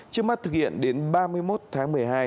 trước mắt thực hiện đến ba mươi một tháng một mươi hai